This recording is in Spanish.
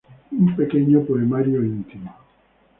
Un pequeño poemario íntimo.